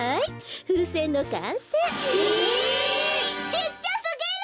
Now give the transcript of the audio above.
ちっちゃすぎる！